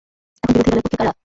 এখানে বিরোধী দলের পক্ষে কারা?